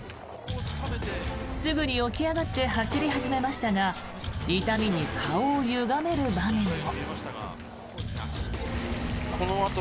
すぐに起き上がって走り始めましたが痛みに顔をゆがめる場面も。